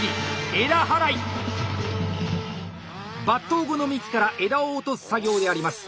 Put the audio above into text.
伐倒後の幹から枝を落とす作業であります。